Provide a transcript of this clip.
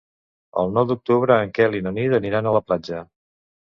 El nou d'octubre en Quel i na Nit aniran a la platja.